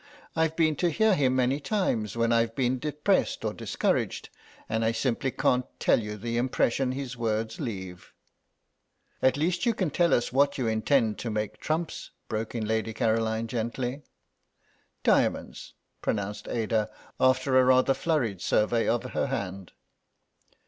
"I've been to hear him many times when I've been depressed or discouraged, and I simply can't tell you the impression his words leave—" "At least you can tell us what you intend to make trumps," broke in Lady Caroline, gently. "Diamonds," pronounced Ada, after a rather flurried survey of her hand.